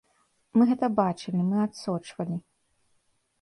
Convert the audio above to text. Мы гэта бачылі, мы адсочвалі.